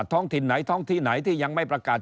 ท้องถิ่นไหนท้องที่ไหนที่ยังไม่ประกาศ